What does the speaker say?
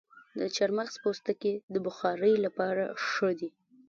د چارمغز پوستکي د بخارۍ لپاره ښه دي؟